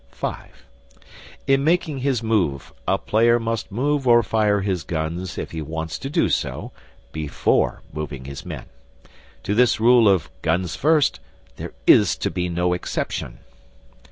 (5) In making his move a player must move or fire his guns if he wants to do so, before moving his men. To this rule of "Guns First" there is to be no exception.